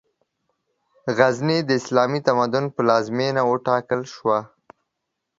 غزنی، د اسلامي تمدن پلازمېنه وټاکل شوه.